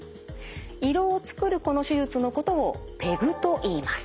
胃ろうを作るこの手術のことをＰＥＧといいます。